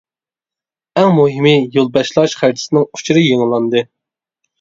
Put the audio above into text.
ئەڭ مۇھىمى يول باشلاش خەرىتىسىنىڭ ئۇچۇرى يېڭىلاندى.